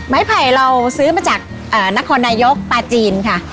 ไม้ไผลเราซื้อมาจากเอ่อนครนายกปาจีนค่ะ